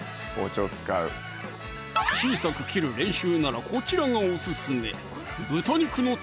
小さく切る練習ならこちらがオススメ